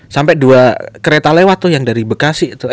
sampai dua kereta lewat tuh yang dari bekasi tuh